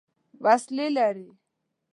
وسلې لري.